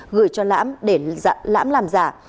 gửi cho lãm để lãm làm giả